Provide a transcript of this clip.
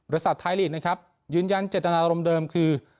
ศัตว์ไทยลีกนะครับยืนยันเจตนารมณ์เดิมคือ